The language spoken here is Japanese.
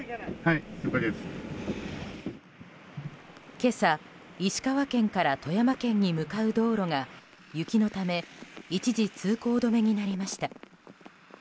今朝、石川県から富山県に向かう道路が雪のため一時通行止めになりました。